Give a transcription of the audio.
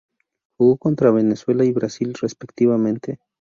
Jugó contra Venezuela y Brasil, respectivamente.